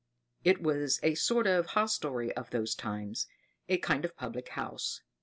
It was a sort of hostelry of those times; a kind of public house.